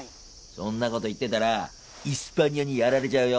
そんなこと言ってたらイスパニアにやられちゃうよ。